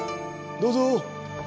どうぞ。